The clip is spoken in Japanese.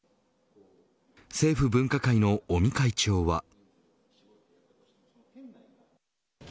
政府分科会の尾身会長は。